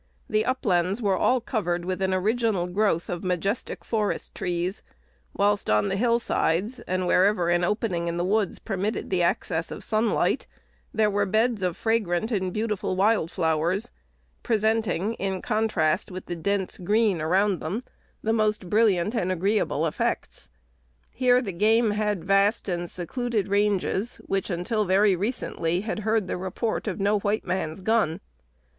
The uplands were all covered with an original growth of majestic forest trees,1 whilst on the hillsides, and wherever an opening in the woods permitted the access of sunlight, there were beds of fragrant and beautiful wild flowers, presenting, in contrast with the dense green around them, the most brilliant and agreeable effects. Here the game had vast and secluded ranges, which, until very recently, had heard the report of no white man's gun.